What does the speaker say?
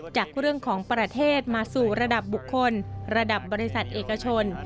จากเรื่องของประเทศมาสู่ระดับบุคคลระดับบริษัทเอกชน